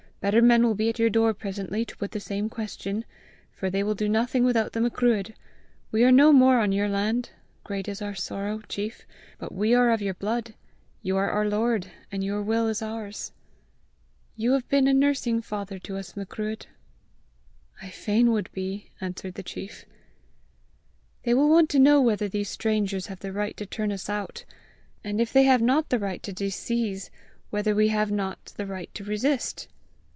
Better men will be at your door presently to put the same question, for they will do nothing without the Macruadh. We are no more on your land, great is our sorrow, chief, but we are of your blood, you are our lord, and your will is ours. You have been a nursing father to us, Macruadh!" "I would fain be!" answered the chief. "They will want to know whether these strangers have the right to turn us out; and if they have not the right to disseize, whether we have not the right to resist.